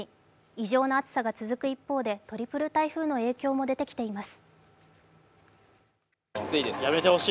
異常な暑さが続く一方でトリプル台風の影響も出てきています。